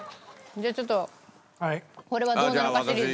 じゃあちょっとこれはどうなのかシリーズ。